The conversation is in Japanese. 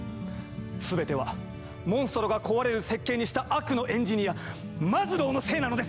全てはモンストロが壊れる設計にした悪のエンジニアマズローのせいなのですから！